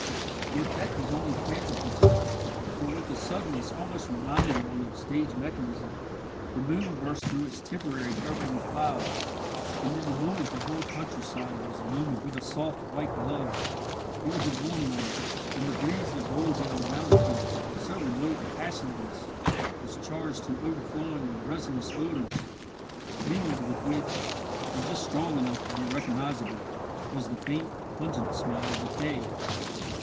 The effect was only transitory, for with a suddenness almost reminding one of stage mechanism, the moon burst through its temporary covering of clouds, and in a moment the whole country side was illumined with a soft white glow. It was a warm night, and the breeze that rolled down from the mountain peaks, so remote and passionless, was charged to overflowing with resinous odours, mingled with which, and just strong enough to be recognizable, was the faint, pungent smell of decay.